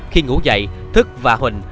khi ngủ dậy thức và huỳnh